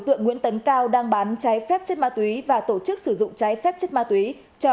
tượng nguyễn tấn cao đang bán trái phép chất ma túy và tổ chức sử dụng trái phép chất ma túy cho